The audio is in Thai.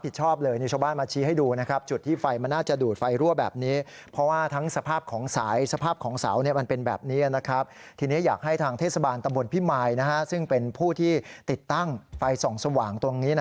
เป็นผู้ที่ติดตั้งไฟส่องสว่างตรงนี้นะครับ